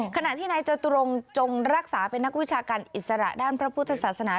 ขณะที่นายจตุรงจงรักษาเป็นนักวิชาการอิสระด้านพระพุทธศาสนา